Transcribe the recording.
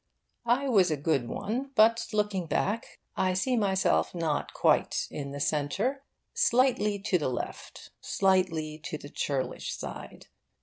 I was a good one, but, looking back, I see myself not quite in the centre slightly to the left, slightly to the churlish side.